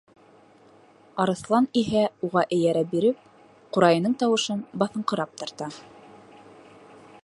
Арыҫлан иһә, уға эйәрә биреп, ҡурайының тауышын баҫыңҡырап тарта.